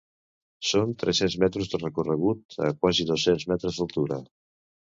Són tres-cents metres de recorregut a quasi dos-cents metres d’altura.